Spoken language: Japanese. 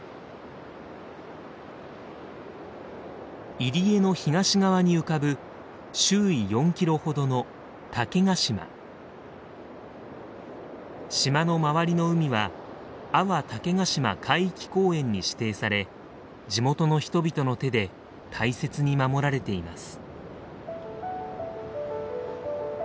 入り江の東側に浮かぶ周囲４キロほどの島の周りの海は阿波竹ヶ島海域公園に指定され地元の人々の手で大切に守られています。